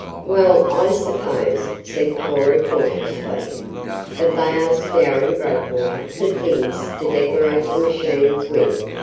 "Well, I suppose," said Cora cautiously, "that they are scouring Breakwater for things to decorate the machines with.